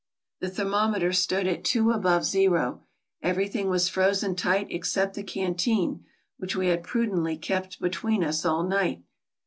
The thermometer stood at two above zero; everything was frozen tight except the canteen, which we had prudently kept between us all night.